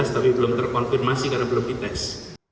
tapi belum terkonfirmasi karena belum dites